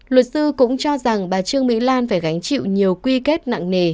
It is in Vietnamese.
luật sư cũng cho rằng bà trương mỹ lan phải gánh chịu nhiều quy kết nặng nề